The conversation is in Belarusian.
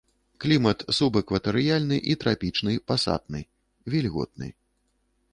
Клімат субэкватарыяльны і трапічны пасатны, вільготны.